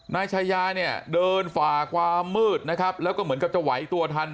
นายชายาเนี่ยเดินฝ่าความมืดนะครับแล้วก็เหมือนกับจะไหวตัวทัน